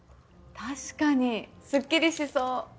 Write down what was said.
確かにすっきりしそう。